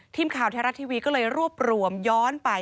ทีมข่าวไทยรัฐทีวีก็เลยรวบรวมย้อนไป